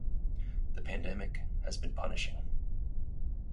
The pandemic has been punishing.